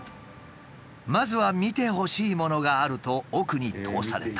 まずは見てほしいものがあると奥に通された。